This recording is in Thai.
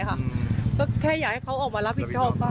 ก็แค่อยากให้เขาออกมารับผิดชอบบ้าง